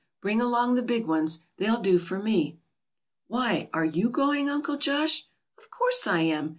Bring along the big ones. They'll do for me." "Why, are you going, Uncle Josh?" "Of course I am.